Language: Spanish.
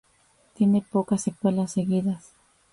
Tiene pocas secuelas seguidas.